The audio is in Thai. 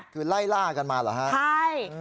คือไล่ล่ากันมาเหรอฮะใช่